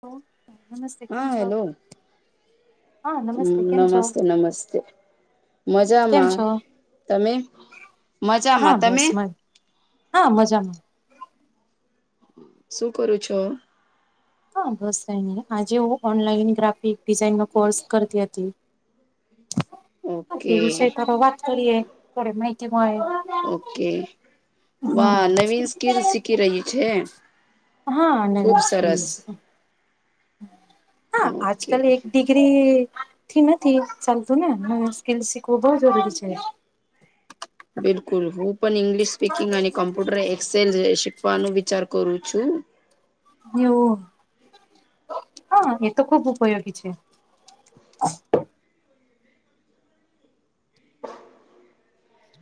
હ નમસ્તે કેમ છો. હા નમસ્તે હમ કેમ છો નમસ્તે નમસ્તે. કેમ મજામાં છો તમે મજામાં હા તમે. બસ મ હા મજામાં. શું કરું છો. હા બસ કઈ નઈ આજે હું ઓનલાઈન ગ્રાફિક ડિઝાઇન નો કોર્સ કરતી હતી. તે ઓકે વિષય વાત કરીએ થોડી માહિતી મળે. ઓકે હા વા નવીન સ્કીલ શીખી રહી છે. હા ખુબ નવી સરસ સ્કીલસ હા આજ ઓકે કલ એક દી. દીરી થી નથી ચાલતું ને સ્કીલ શીખવું બઉ જરૂરી છે. બિલકુલ હું પણ ઈગ્લિશ સ્પીકિંગ અને કમ્પ્યુટર એ. સેલરે શીખવાનું વિચાર કરું છું. એવુ હા એ તો ખુબ ઉપયોગી છે.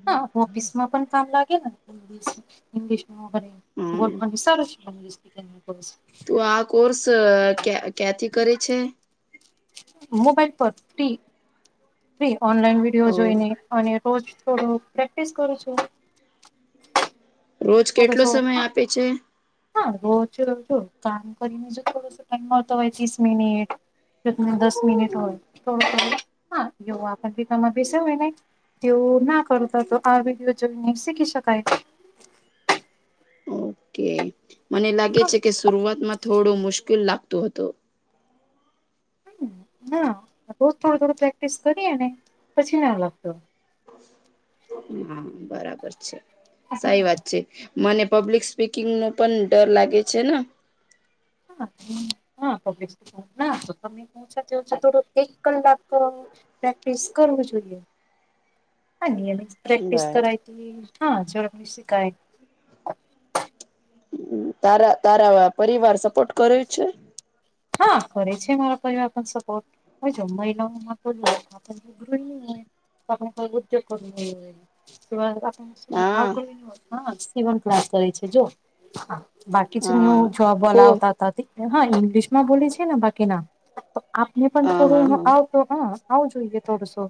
હા ઓફિસ માં પણ કામ લાગે ને ઈંગ્લીશ ઇંગ્લિશમાં વગેરે. હમ [unintelligible] તો આ કોર્સ ક્યાંથી કરે છે. મોબાઈલ પરથી. ફ્રી ઓનલાઈન વિડીયો જોઈને અને રોજ થોડો પ્રેક્ટિસ કરું છું. રોજ કેટલો થોડોસો હ સમય આપે છે હા રોજ રોજ કામ કરીનેજ થોડસો. આવતો હોય ત્રીસ મિનિટ જો ત દસ મિનિટ હોય તોડ. હા જો આપ [unintelligible] [unintelligible] તેઓ ના કરતા તો આ વિડીયો જોઈને શીખી શકાય. ઓકે મને લાગે હા છે કે શરૂઆતમાં થોડું મુશ્કેલ લાગતું હતું. ના રોજ થોડું થોડું પ્રેક્ટિસ કરીએ ને પછી ના લખતો. હા બરાબર છે હા સારી વાત છે. મને પબ્લિક સ્પીકિંગનું પણ ડર લાગે છે ને. [unintelligible] એક કલાક પ્રેક્ટિસ કરવું જોઈએ નિયમિત પ્રેક્ટિસ બા કરાય હતી હા જલ્દી શિકાય. તારા તારા પરિવાર સપોર્ટ કરે છે? હા કરે છે મારા પરિવાર પણ સપોર્ટ. હા, જો મહિલાઓમાં તો આપઈ [unintelligible] હોય આપણે કોઈ ઉદ્યોગ કરવો ન હા હોય. [unintelligible] સીવન ક્લાસ કરે છે જો બાકી જ ન્યુ હા જોબ ઓલા ખૂબ આવતા હતા હા ઈંગ્લિશ માં બોલી છે ને બાકી ના. આપને પણ હા હા થોડું હા આવતો હા આવું જોઈએ થોડુંશું.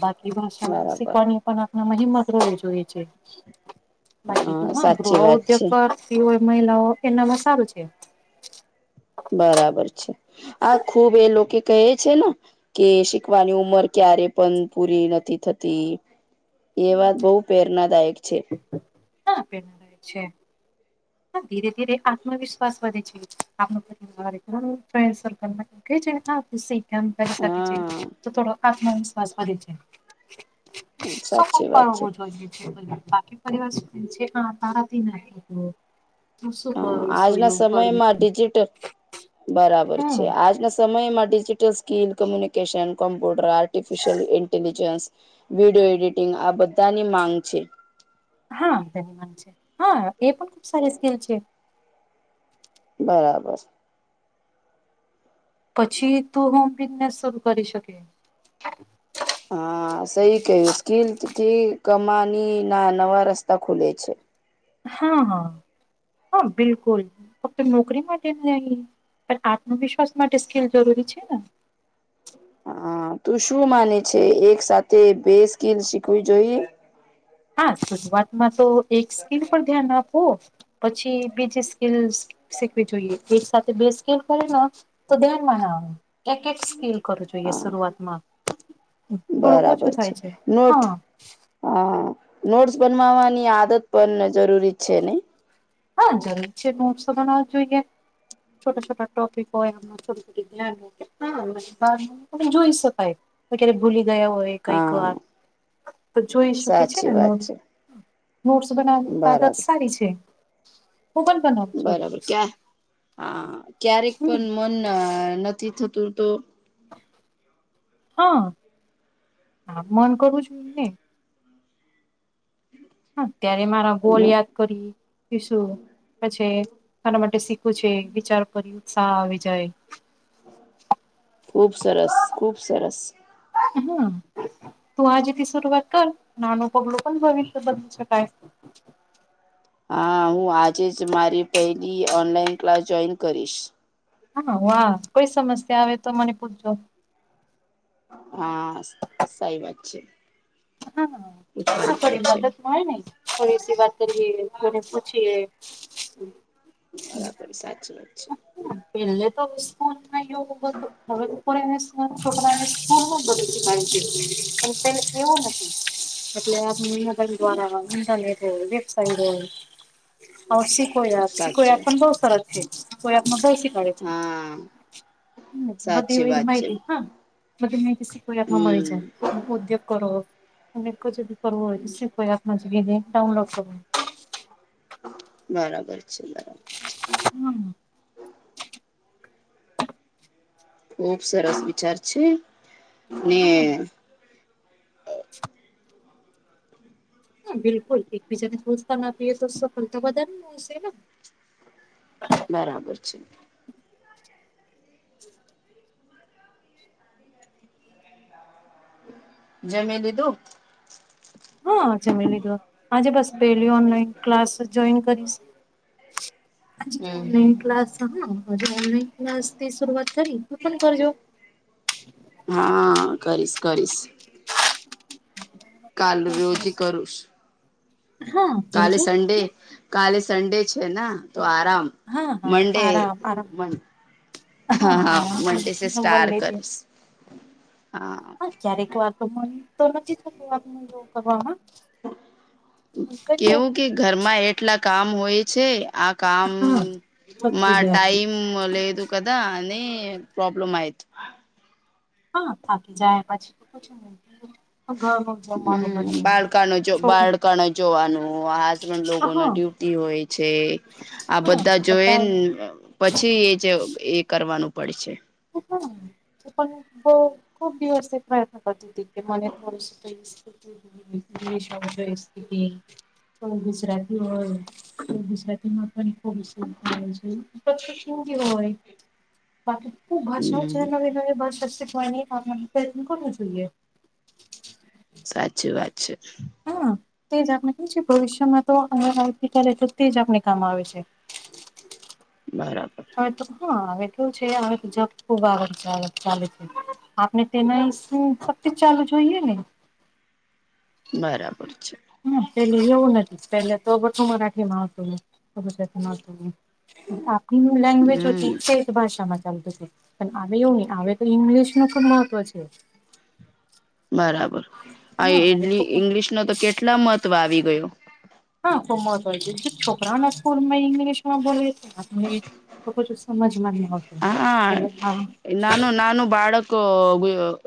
બાકી [unintelligible] બરાબર શીખવાની પણ આપ હિંમત રહેવી જોઈએ છે. હા બાકીમાં ગૃહ સાચી વાત ઉદ્યોગ છે કરતી હોય મહિલાઓ એનામાં સારું છે. બરાબર છે. આ ખુબ એ લોકો કહે છે ને કે શીખવાની ઉમર ક્યારે પણ પુરી નથી થતી. એ વાત બહુ પ્રેરણાદાયક છે. રહે છે ધીરે ધીરે આત્મવિશ્વાસ વધે છે આપ [inaudible] કામ કરી શકી હા છે તો થોડો આત્મવિશ્વાસ વધે છે. શું સાચી વાત છે કરવું જોઈએ છે બાકી પરિવાર જેમા માંરાથી [unintelligible] હા, આજના સમયમાં ડિજિટલ બરાબર છે હમ આજના સમયમાં digital skill communication computer artificial intelligence video editing આ બધાની માંગ છે. હા ધન માન છે હા એ પણ ખુબ સારી સ્કીલ છે. બરાબર. પછી તું હોમ બિઝનેસ શરૂ કરી શકે. હા સઈ કયું સ્કીલ થી કમાની ના નવા રસ્તા ખુલે છે. હા, હા, હા બિલકુલ ફક્ત નોકરી માટે [unintelligible] પણ આત્મવિશ્વાસ માટે સ્કીલ જરૂરી છે ને. હા તું શું માને છે એક સાથે બે સ્કીલ શીખવી જોઈએ. હા શરૂઆતમાં તો એક સ્કીલ પર ધ્યાન આપો પછી બીજી સ્કીલ શીખવી જોઈએ એક સાથે બે સ્કીલ કરેને તો ધ્યાન માણ એક એક સ્કીલ કરું જોઈએ હા શરૂઆતમાં થોડું બરાબર ઓછું થાય છે નોટ હા. હા નોટ્સ બનવાવાની આદત પણ જરૂરી છે નહીં. હા જરૂર છે નોટ્સ બનાવો જોઈએ. છોટા છોટ ટોપિક હોય [unintelligible] હા જોઈ શકાય. ક્યારેક ભૂલી ગયા હોય કઈક હા વાર તો જોઈ શકે છે ને સાચી વાત નોટ્સ. છે નોટ્સ બનાવવાની આદત બરાબર સારી છે હું પણ બનાવું છું બરાબર નોટ્સ. ક્યાં હા ક્યારેક હમ પણ મન નથી થતું તો હા આમ મન કરું જોઈએ અત્યારે મારા ગોલ યાદ કરીશું પછી મારા માટે છે વિચાર પર ઉત્સાહ આવી જાય. ખુબ સરસ, ખુબ સરસ. હમ તું આજેથી સુરઆત કર નાનું પગડું પણ ભવિષ્ય બદલ શકાય. હા હું આજે જ મારી પેલી ઓનલાઈન ક્લાસ જોઈન કરીશ. હા વાહ કોઈ સમસ્યા આવે તો મને પૂછજો હા સહી વાત છે. હા. પૂછવાનું પડે છે હોય નહી થોડી સી વાત કરીએ કોને પૂછીએ. બરાબર સાચી વાત છે. પેલે તો મિશકોલ મારયો હતો હવે ઉપર આવેશ. હ છોકરાને સ્કૂલમાં [unintelligible] પણ તેને એવું નથી એટલે આપનીદલ દ્વારાંધા નહી થ પહેલે ઓશિકોયા શિકોયા સાચી પણ બહુ સર છે. કોઈ આપમાં બે શી કાડે હા બધી સાચી એ એ વાત છે માહિતી હા. મ માહીરકમાં મળી હમ જાય ઉદ્યોગ કરો અને કો જ કરો કોઈ આપ જે વિડી ડાઉનલોડ કરવો. બરાબર છે બરાબર છે. હા ખુબ સરસ વિચાર છે ને હા હ બિલકુલ એકબીજાને પોહતાન આપીએ તો સફલ તો બધા નેશે બરાબર છે. જ જમી લીધું. હા જમી લીઘો આજે બસ પેલી ઓનલાઈન ક્લાસ જોઈન કરીશ. હમ. ઓનલાન હમ ક્લાસ હા ઓનલાઈન ક્લાસ થી શરૂઆત કરી ત પણ કરજો. હા કરીશ કરીશ. કાલ રોજી કરુસ હા કાલે કરજો સન્ડે કે. કાલે સન્ડે છે તો આરામ. હા હા મંડે આરામ આરામ હા હા મંડે છે આરામ સ્ટાર મન લેતી. કરીશ હા. ક્યારેક વાતો મન તો નથી થતું વાત એવું કરવામાં. કરીએ. કેવું કે ઘરમાં એટલા કામ હોય છે આ કામ હા થકી મા જાય. ટાઈમ લદ કદા અનેની પ્રોબ્લેમ આઐ હા થાકી જાય પછી તો જમવાનું હમ બન્યું બાળકાનો છોકરી બાળકાણ જોવાનું હો હસબન્ડ લોકો હા ના હા ડ્યુટી હોય. છે આ બધા જોય બધાનું પછી એ જે એ કરવાનું પડશે. [inaudible] પણ બહ ખૂબ દિવસ એક પ્રયત્ન કરતી હતી કે મને થોડી ક [inaudible] ગુજરાતી હોય તો ગુજરાતીમાં પણ [inaudible] બાકી ખુબ ભાષાઓ છે હમ નવી નવી ભાષા કો કોનું જોઈએ. સાચી વાત છે. હા તે જ આપણે કેમ છે ભવિષ્યમાં તો અ આવતીકાલે તો તે જ આપણે કામ આવે છે. બરાબર. હવે તો [unintelligible] આપને તેના શ સક્તિજ ચાલુ જોઈએ ને બરાબર છે. હા પેલી એવું નથી પેલે તો બધું મરાઠી માં આવતું હોય આવતું હોય. આપણી લેંગ્વેજ હોતી હમ છે. ભાષામાં ચાલતું છે પણ હ એવું નહી આવે તો ઈંગ્લિશ નું પણબ મહત્વ છે. બરાબર આ હા હવે તો ઇંગ્લિશ ન તો કેટલા મહત્વ આવી ગયો. હા છોકરા ના સ્કૂલમાં ઈંગ્લિશ. હા બલો [unintelligible] છું સમાજ મને. હા નાનું નાાનુ બાળકો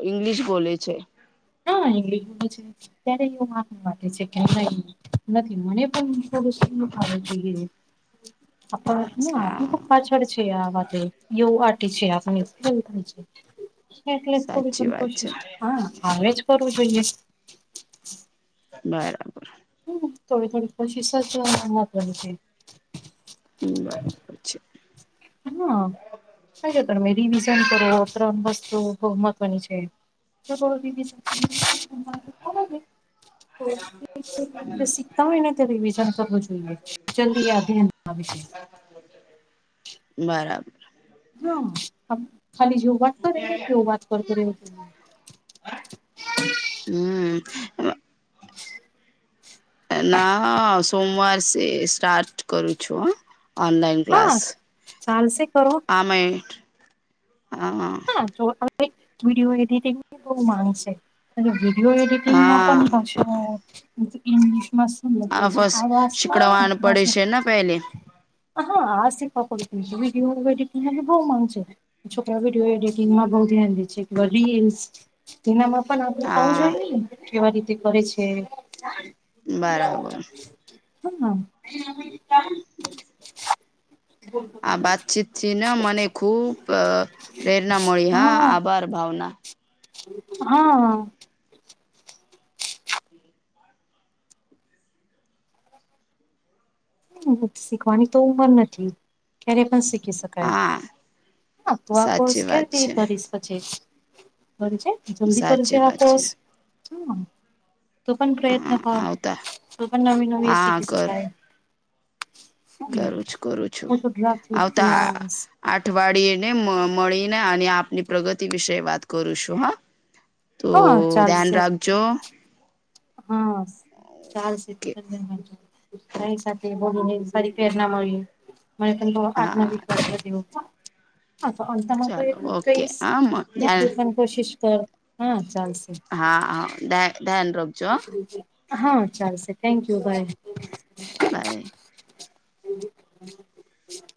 ઇંગ્લીષ બોલે છેે. [unintelligible] નથી મને પણ વસ્તુ ખબર હા જોઈ છે. [unintelligible] [unintelligible] એટલે થોડી સાચી થોડી વાત છે કોશિશ હા હ જ કરવું જોઈએ. બરાબર હમ થોડી થોડી કોશિશ [unintelligible] હ બરાબર છે. હા સા તમે રિવિઝન કરો ત્રણ વસ્તુ બ મહત્વની છે. [unintelligible] શીખતા હોય ને રિવિઝન કરવું જોઈએ જલ્દી આ ધ્યાન વિશે બરાબર હા ખાલી જે વાત કર ને તેવ વાત કરતો રહે હમ ના સોમવાર સે સ્ટાર્ટ કરું છું હ ઓનલાઈન હા ક્લાસ ચાલશે કરો આમાં હ હા જો વિડીયો એડિટીગ ની બૌ માંગશે વિડીયો એડિટિંગમાં હા પણ હ ઇગ્લિશમાં આ બસ શીકડવાનું પડે છે ને પેલે [unintelligible] હ હા આ કપડ છ હ બહું માનશે છોકરા બે એડિટંગમાં બ ધ્યાન છે કે રીલ્સ તેનામાં પણ આપ આવું હા જોઈએ કેવા રીતે કરે છે. બરાબર [unintelligible] આ વાતચીત થી ને મને ખુબ પ્રેરણા મળી હા આભાર ભાવના હ શીખવાની તો ઉંમર નથી ક્યારે પણ શીખી શક કાય હા હા તું આ કોર્સ સાચી વાત કેવીથી છે કરીશ પછી બ છે. જલ્દી કરજે સાચી આ વાત છે કોષ શ તું પણ પ્રયત્ન હા કર આવતા તું પણ નવી નવી હા શીખી કર શકાય કરું છું કરું છું ફોટોગ્રાફી આવતા ક્લાસ અઠવાડિયે ને મળીને અને આપની પ્રગતિ વિશે વાત કરું છું હા તો હા ધ્યાન ચાલશે રાખજો હા ચાલ છે. કે એ સાથે બોલીને સારી પ્રેરણા મળી. [unintelligible] હા હા તો અતમાં તો ચાલો એટલું જ ઓકે કહીશ હા કે ધ્યાન તું પણ કોશિશ કર હા ચાલશે હા હા ધન ધ્યાન રાખ હા ચાલશે થેન્ક યુ બાય. બાય.